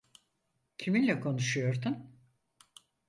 Kiminle konuşuyordun?